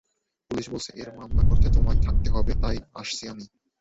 Police বলছে এর মামলা করতে তোমায় থাকতে হবে, তাই আসছি আমি।